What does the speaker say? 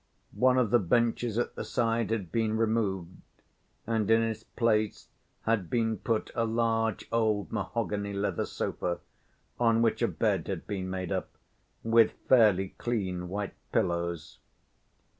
One of the benches at the side had been removed, and in its place had been put a large old mahogany leather sofa, on which a bed had been made up, with fairly clean white pillows.